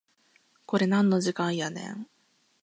これなんの時間やねん